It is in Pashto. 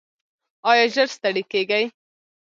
ایا ژر ستړي کیږئ؟